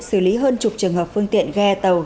xử lý hơn chục trường hợp phương tiện ghe tàu